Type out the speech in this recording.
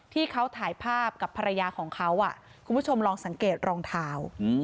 ที่เขาถ่ายภาพกับภรรยาของเขาคุณผู้ชมลองสังเกตรองเท้า